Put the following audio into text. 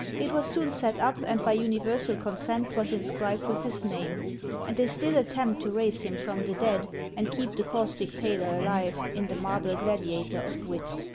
It was soon set up, and by universal consent was inscribed with his name; and they still attempt to raise him from the dead, and keep the caustic tailor alive, in the marble gladiator of wit.